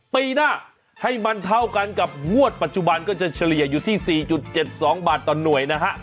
ปีหน้าให้มันเท่ากันกับงวดปัจจุบันก็จะเฉลี่ยอยู่ที่๔๗๒บาทต่อหน่วยนะฮะ